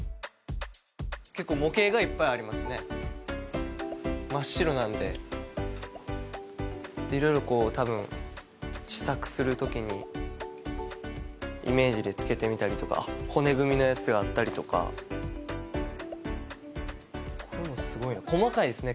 結構模型がいっぱいありますね真っ白なんで色々こうたぶん試作する時にイメージでつけてみたりとか骨組みのやつがあったりとかこれもすごいな細かいですね